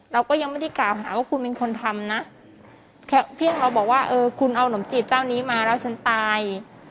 เราก็ยังไม่ได้กล่าวหาว่าคุณเป็นคนทำนะแค่เพียงเราบอกว่าเออคุณเอานมจีบเจ้านี้มาแล้วฉันตาย